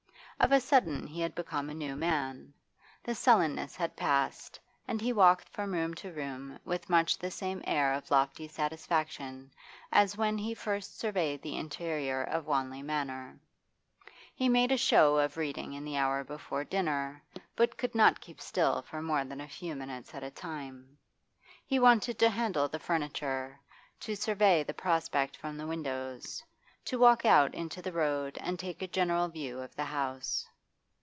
Of a sudden he had become a new man; the sullenness had passed, and he walked from room to room with much the same air of lofty satisfaction as when he first surveyed the interior of Wanley Manor. He made a show of reading in the hour before dinner, but could not keep still for more than a few minutes at a time; he wanted to handle the furniture, to survey the prospect from the windows, to walk out into the road and take a general view of the house.